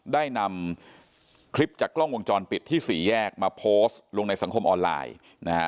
ได้นำคลิปจากกล้องวงจรปิดที่สี่แยกมาโพสต์ลงในสังคมออนไลน์นะฮะ